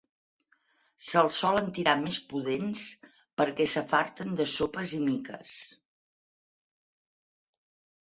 Se'ls solen tirar més pudents perquè s'afarten de sopes i miques.